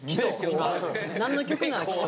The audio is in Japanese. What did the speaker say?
何の曲なのか。